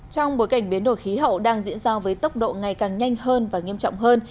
trong bối cảnh biến đổi khí hậu đang diễn ra với tốc độ ngày càng nhanh hơn và nghiêm trọng hơn